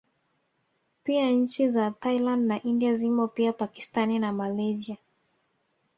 Pia nchi za Thailand na India zimo pia Pakistani na Malaysia